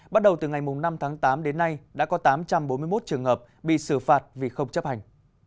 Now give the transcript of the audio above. bắt đầu từ ngày năm tháng tám đến nay đã có tám trăm bốn mươi một trường hợp bị xử phạt vì không chấp hành